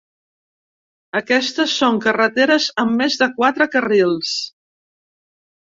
Aquestes són carreteres amb més de quatre carrils.